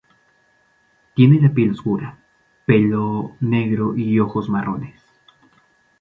Tiene la piel oscura, pelo negro y ojos marrones.